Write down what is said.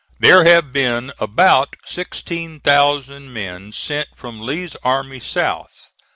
There have been about sixteen thousand men sent from Lee's army south.